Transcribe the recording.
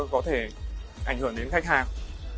có thể ảnh hưởng đến khách hàng